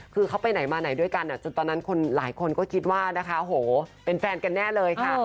คือเขาไปไหนมาไหนด้วยกันจนตอนนั้นคนหลายคนก็คิดว่านะคะโหเป็นแฟนกันแน่เลยค่ะ